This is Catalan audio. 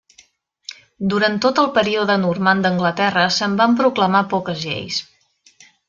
Durant tot el període normand d'Anglaterra se'n van proclamar poques lleis.